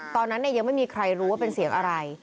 ตอนนั้นยังไม่มีใครรู้ว่าเป็นเสียงอะไร